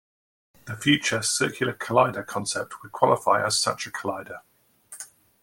The Future Circular Collider concept would qualify as such a collider.